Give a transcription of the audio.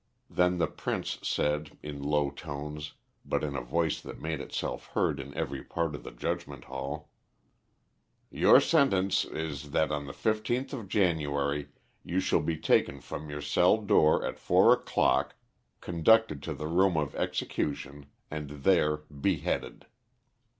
Then the Prince said, in low tones, but in a voice that made itself heard in every part of the judgment hall "Your sentence is that on the fifteenth of January you shall be taken from your cell at four o'clock, conducted to the room of execution, and there beheaded."